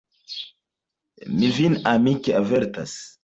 Mi vin amike avertas.